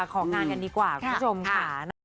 ของงานกันดีกว่าคุณผู้ชมค่ะ